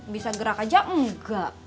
bisa gerak aja enggak